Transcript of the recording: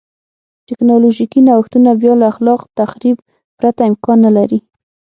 ټکنالوژیکي نوښتونه بیا له خلاق تخریب پرته امکان نه لري.